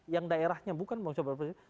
yang daerahnya bukan bangsa bangsa presiden